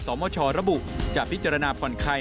สอบคอร์ระบุจะพิจารณาผ่อนคลาย